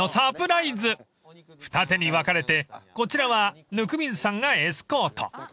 ［二手に分かれてこちらは温水さんがエスコート］